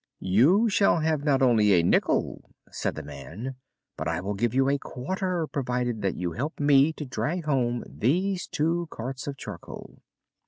"You shall have not only a nickel," said the man, "but I will give you a quarter, provided that you help me to drag home these two carts of charcoal."